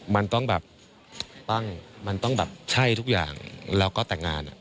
มันต้องแบบปั้งมันต้องแบบใช่ทุกอย่างแล้วก็แต่งงาน